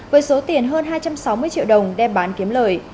với số tiền hơn hai trăm sáu mươi triệu đồng đem bán kiếm lời